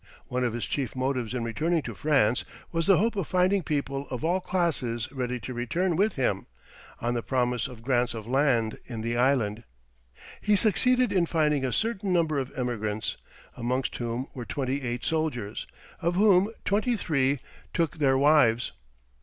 One of his chief motives in returning to France was the hope of finding people of all classes ready to return with him, on the promise of grants of land in the island. He succeeded in finding a certain number of emigrants, amongst whom were twenty eight soldiers, of whom twenty three took their wives.